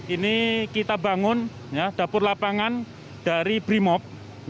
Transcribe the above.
ini kita bangun dapur lapangan dari brimob